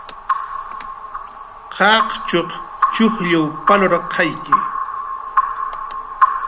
Qaqchuq chujll palarqayki